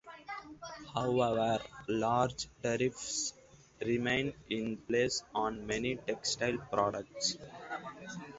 However, large tariffs remain in place on many textile products.